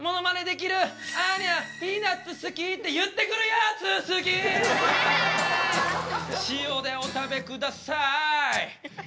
アーニャピーナツ好き。って言ってくるやつ好き塩でお食べください